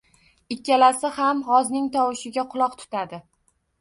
Ikkalasi ham g‘ozning tovushiga quloq tutadi.